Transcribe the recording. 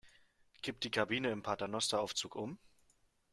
Kippt die Kabine im Paternosteraufzug um?